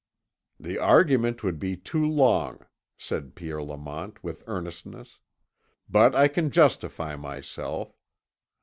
"The argument would be too long," said Pierre Lamont with earnestness, "but I can justify myself.